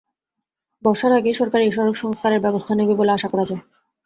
বর্ষার আগেই সরকার এ সড়ক সংস্কারে ব্যবস্থা নেবে বলে আশা করা যায়।